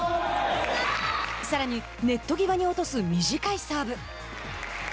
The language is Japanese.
さらに、ネット際に落とす短いサーブ。